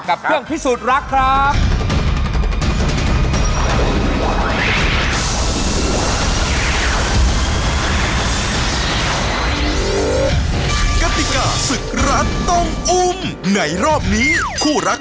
กับเครื่องพิสูจน์รักครับ